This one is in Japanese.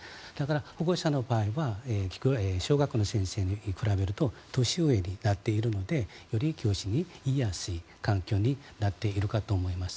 保護者の場合は小学校の先生に比べると年上になっているのでより、教師に言いやすい環境になっているかと思います。